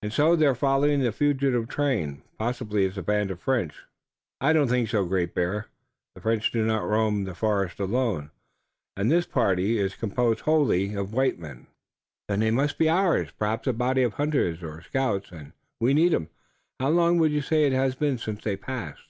"And so they're following the fugitive train. Possibly it's a band of French." "I do not think so, Great Bear. The French do not roam the forest alone. The warriors are always with them, and this party is composed wholly of white men." "Then they must be ours, perhaps a body of hunters or scouts, and we need 'em. How long would you say it has been since they passed?"